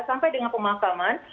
sampai dengan pemakaman